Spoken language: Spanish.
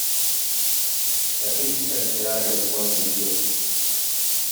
¡La crítica literaria me pone nervioso!